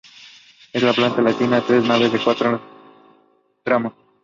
Es de planta latina, de tres naves con cuatro tramos.